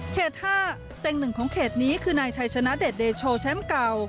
๕เต็งหนึ่งของเขตนี้คือนายชัยชนะเดชเดโชแชมป์เก่า